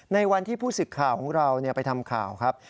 ในวันที่ผู้สึกข่าวของเราไปทำข่าวครับ